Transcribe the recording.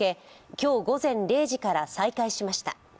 今日午前０時から再開しました。